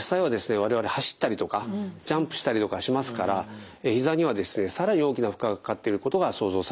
我々走ったりとかジャンプしたりとかしますからひざにはですね更に大きな負荷がかかっていることが想像されます。